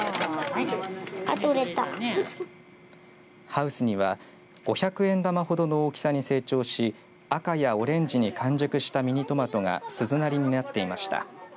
ハウスには５００円玉ほどの大きさに成長し赤やオレンジに完熟したミニトマトが鈴なりになっていました。